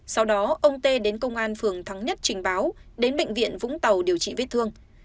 sau đó ông tê đến công an phường thắng nhất trình báo đến bệnh viện vũng tàu điều trị viết thương